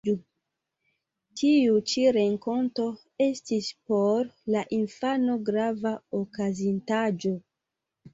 Tiu ĉi renkonto estis por la infano grava okazintaĵo.